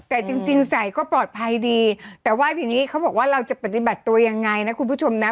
แต่จริงใส่ก็ปลอดภัยดีแต่ว่าทีนี้เขาบอกว่าเราจะปฏิบัติตัวยังไงนะคุณผู้ชมนะ